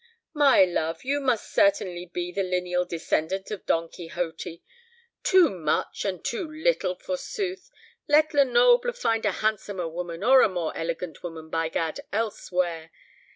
"My love, you must certainly be the lineal descendant of Don Quixote. Too much, and too little, forsooth! Let Lenoble find a handsomer woman, or a more elegant woman, by gad, elsewhere!